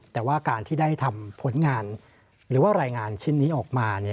แต่ว่าการที่ได้ทำผลงานหรือว่ารายงานชิ้นนี้ออกมา